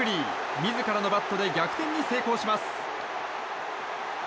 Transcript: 自らのバットで逆転に成功します。